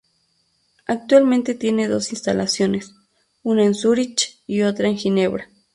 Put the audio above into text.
Actualmente tiene dos instalaciones, una en Zúrich y otra en Ginebra.